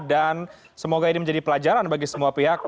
dan semoga ini menjadi pelajaran bagi semua pihak